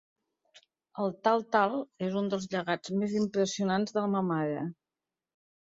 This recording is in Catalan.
El tal-tal és un dels llegats més impressionats de ma mare.